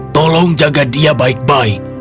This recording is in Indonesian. tolong jaga dia baik baik